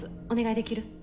お願いできる？